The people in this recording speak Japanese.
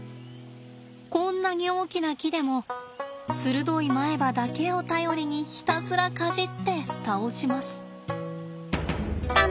こんなに大きな木でもするどい前歯だけを頼りにひたすらかじって倒します。